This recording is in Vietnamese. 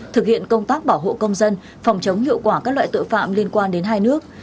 thực hiện công tác bảo hộ công dân phòng chống hiệu quả các loại tội phạm liên quan đến hai nước